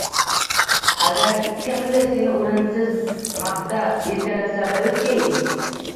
Agar kimdir seni o‘rinsiz maqtab, erkalatsa bilki